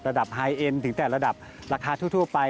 ไฮเอ็นถึงแต่ระดับราคาทั่วไป